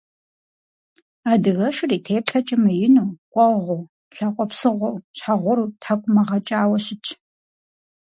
Адыгэшыр и теплъэкӀэ мыину, къуэгъуу, лъакъуэ псыгъуэу, щхьэ гъуру, тхьэкӀумэ гъэкӀауэ щытщ.